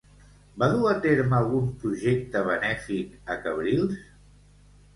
Va dur a terme algun projecte benèfic a Cabrils?